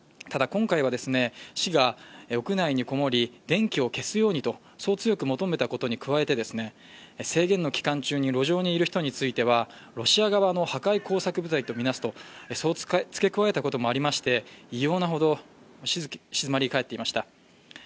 ただ今回は、市が屋内にこもり、電気を消すようにと強く求めたことに加えて、制限の期間中に路上にいる人についてはロシア側の破壊工作部隊とみなすと、そう付け加えたこともありまして異様なほど静まり返っていました。